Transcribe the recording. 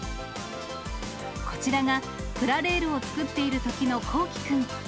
こちらが、プラレールを作っているときのこうきくん。